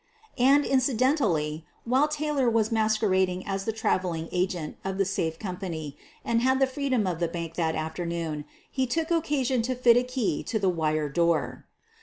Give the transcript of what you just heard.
And incidentally, while Taylor was masquerading as the traveling agent of the safe company and had the freedom of the bank that afternoon he took oc casion to fit a key to the wire door.